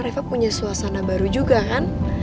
reva punya suasana baru juga kan